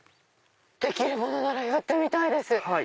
できるものならやってみたいです！